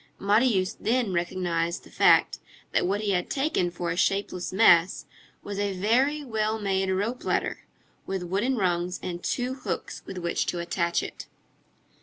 Marius then recognized the fact, that what he had taken for a shapeless mass was a very well made rope ladder, with wooden rungs and two hooks with which to attach it.